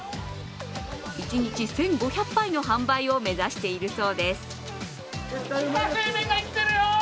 一日１５００杯の販売を目指しているそうです。